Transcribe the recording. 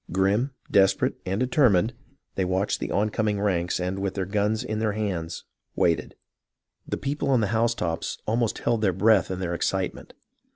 Grim, desperate, and determined they watched the oncoming ranks, and, with their guns in their hands, waited. The people on the housetops almost held their breath in their excitement.